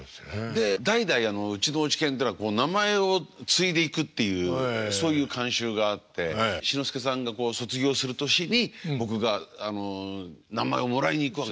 で代々うちの落研ってのは名前を継いでいくっていうそういう慣習があって志の輔さんが卒業する年に僕が名前をもらいに行くわけですよ。